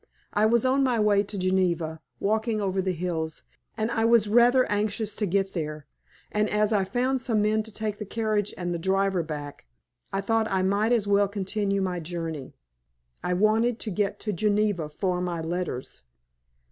I was on my way to Geneva, walking over the hills, and I was rather anxious to get there, and as I found some men to take the carriage and the driver back, I thought I might as well continue my journey. I wanted to get to Geneva for my letters."